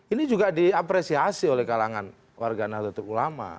ini juga diapresiasi oleh kalangan warga nahdlatul ulama